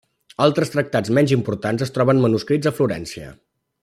Altres tractats menys importants es troben manuscrits a Florència.